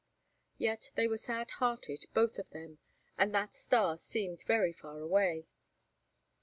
Yet they were sad hearted, both of them, and that star seemed very far away.